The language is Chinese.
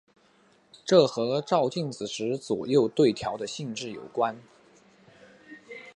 这和照镜子时左右对调的性质有关。